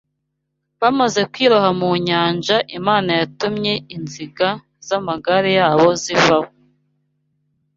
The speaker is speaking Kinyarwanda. Bamaze kwiroha mu nyanja Imana yatumye inziga z’amagare yabo zivaho